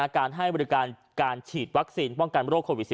การให้บริการการฉีดวัคซีนป้องกันโรคโควิด๑๙